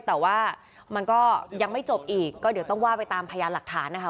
แต่ว่ามันก็ยังไม่จบอีกก็เดี๋ยวต้องว่าไปตามพยานหลักฐานนะคะ